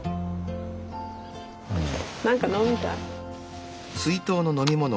何か飲みたい？